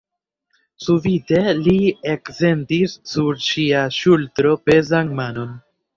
Subite li eksentis sur sia ŝultro pezan manon.